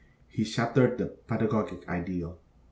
He shattered the pedagogic ideal.